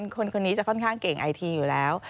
คนนี้จะค่อนข้างเก่งไอทีอยู่แล้ว